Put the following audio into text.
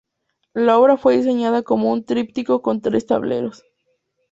La obra fue diseñada como un tríptico con tres tableros.